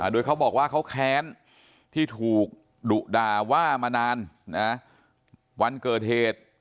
โดยเขาบอกว่าเขาแค้นที่ถูกดุด่าว่ามานานวันเกิดเหตุ